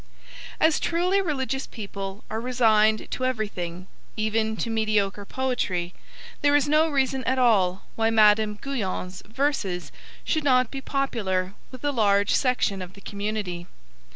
As truly religious people are resigned to everything, even to mediocre poetry, there is no reason at all why Madame Guyon's verses should not be popular with a large section of the community.